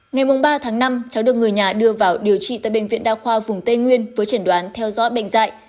ngày ba tháng năm cháu được người nhà đưa vào điều trị tại bệnh viện đa khoa vùng tây nguyên với chẩn đoán theo dõi bệnh dạy